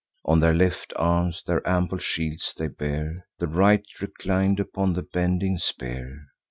On their left arms their ample shields they bear, The right reclin'd upon the bending spear.